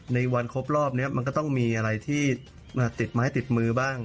ในวันครบรอบนี้มันก็ต้องมีอะไรที่ติดไม้ติดมือบ้าง